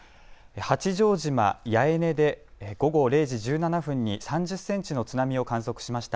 八丈島八重根で午後０時１７分に３０センチの津波を観測しました。